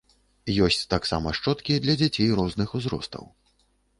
Ёсць таксама шчоткі для дзяцей розных узростаў.